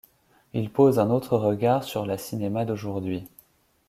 Il pose un autre regard sur la cinéma d'aujourd'hui.